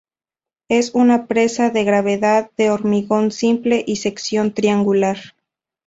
Es una presa de gravedad, de hormigón simple y sección triangular.